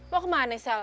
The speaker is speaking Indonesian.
mau kemana sal